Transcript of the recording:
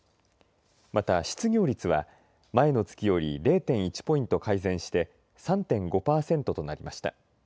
また失業率は前の月より０．１ポイント改善して３．５パーセントとなりました。